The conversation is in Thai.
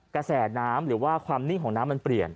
กระแสน้ำหรือว่าความนิ่งของน้ำมันเปลี่ยน